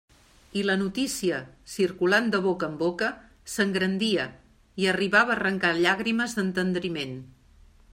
I la notícia, circulant de boca en boca, s'engrandia, i arribava a arrancar llàgrimes d'entendriment.